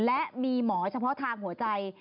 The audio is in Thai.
และมีหมอเฉพาะทางหัวใจ